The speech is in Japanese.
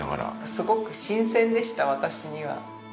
すごく新鮮でした私には。